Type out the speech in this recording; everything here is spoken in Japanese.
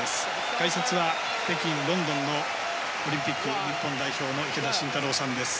解説は北京、ロンドンのオリンピック日本代表池田信太郎さんです。